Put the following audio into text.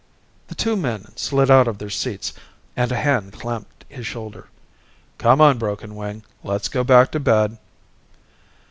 The two men slid out of their seats, and a hand clamped his shoulder. "Come on, Broken Wing, let's go back to bed."